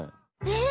え？